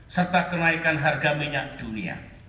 serta kenaikan harga minyak dunia